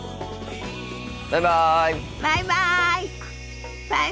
バイバイ。